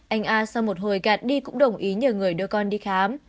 anh a sau một hồi gạt đi cũng đồng ý nhờ người đưa con đi khám